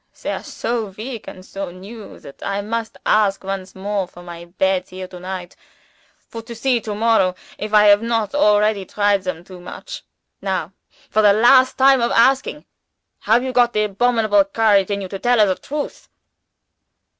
They are so weak and so new, that I must ask once more for my beds here to night, for to see to morrow if I have not already tried them too much. Now, for the last time of asking, have you got the abominable courage in you to tell her the truth?"